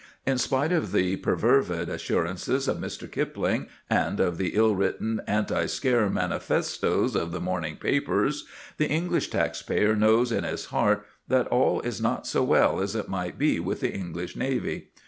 In spite of the perfervid assurances of Mr. Kipling, and of the ill written, anti scare manifestoes of the morning papers, the English taxpayer knows in his heart that all is not so well as it might be with the English navy.